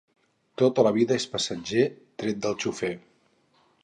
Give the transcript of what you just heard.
Tot a la vida és passatger, tret del xofer.